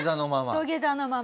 土下座のまま？